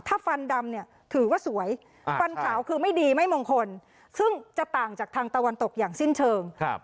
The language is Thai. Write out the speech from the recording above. ถ้าฟันดำเนี่ยถือว่าสวยฟันขาวคือไม่ดีไม่มงคลซึ่งจะต่างจากทางตะวันตกอย่างสิ้นเชิง